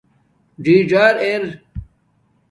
ڎی ڎار ار